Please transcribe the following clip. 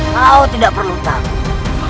kau tidak perlu tahu